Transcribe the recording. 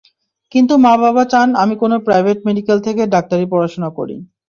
কিন্তু মা-বাবা চান আমি কোনো প্রাইভেট মেডিকেল থেকে ডাক্তারি পড়াশোনা করি।